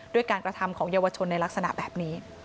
ด้วยการกระทำของเยาวชนในลักษณะแบบนี้